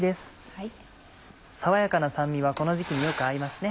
爽やかな酸味はこの時期によく合いますね。